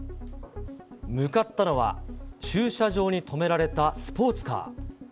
向かったのは、駐車場に止められたスポーツカー。